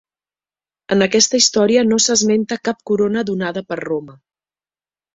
En aquesta història no s'esmenta cap corona donada per Roma.